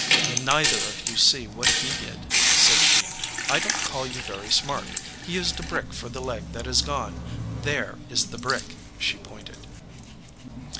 "Neither of you see what he did," said she. "I don t call you very smart. He used a brick for the leg that is gone. There is the brick," she pointed.